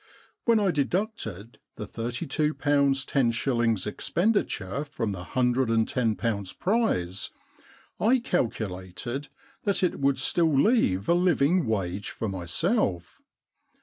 When I deducted the thirty two pounds ten shillings expenditure from the hundred and ten pounds prize, I calculated that it would still leave a living wage for myself.